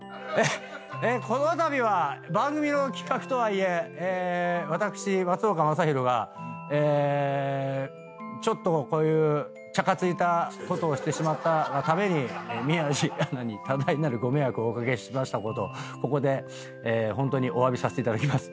このたびは番組の企画とはいえ私松岡昌宏がちょっとチャカついたことをしてしまったがために宮司アナに多大なるご迷惑をお掛けしましたことをここでホントにおわびさせていただきます。